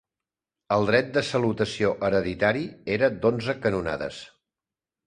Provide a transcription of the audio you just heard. El dret de salutació hereditari era d'onze canonades.